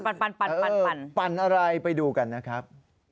ปั่นอะไรไปดูกันนะครับ